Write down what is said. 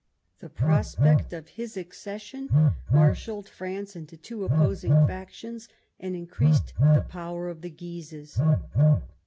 The prospect of his accession marshalled France into two opposing factions, and increased the power of the Guises.